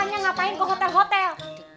makanya ngapain ke hotel hotel